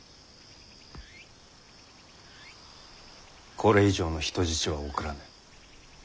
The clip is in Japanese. これ以上の人質は送らぬ。